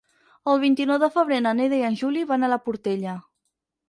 El vint-i-nou de febrer na Neida i en Juli van a la Portella.